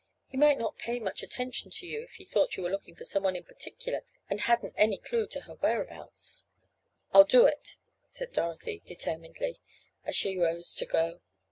He might not pay much attention to you if he thought you were looking for some one in particular and hadn't any clue to her whereabouts." "I'll do it," said Dorothy determinedly, as she arose to go.